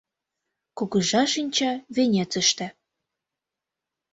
Кугыжа шинча венецыште